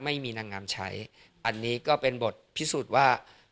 ไม่มีนางงามใช้อันนี้ก็เป็นบทพิสูจน์ว่า